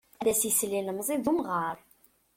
Ad as-isel ilemẓi d umɣar.